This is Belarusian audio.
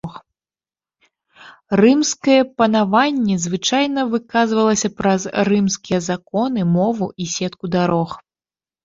Рымскае панаванне звычайна выказвалася праз рымскія законы, мову і сетку дарог.